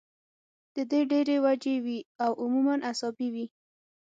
د دې ډېرې وجې وي او عموماً اعصابي وي